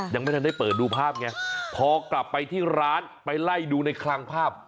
ยังไม่ทันได้เปิดดูภาพไงพอกลับไปที่ร้านไปไล่ดูในคลังภาพ